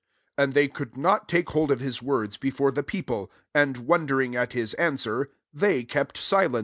26 And they could not take hold of his words before the people : and wondering at his answer, they kept silence.